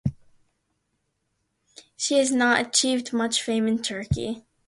She has not achieved much fame in Turkey.